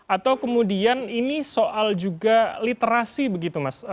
atau kemudian ini soal juga literasi begitu mas